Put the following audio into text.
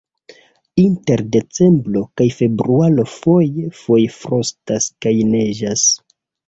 Inter decembro kaj februaro foje-foje frostas kaj neĝas.